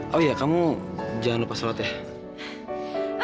oh ya kamu jangan lupa sholat ya